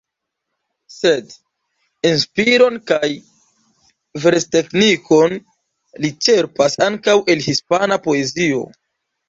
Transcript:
Sed inspiron kaj versteknikon li ĉerpas ankaŭ el hispana poezio.